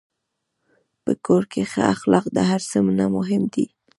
په کور کې ښه اخلاق د هر څه نه مهم دي.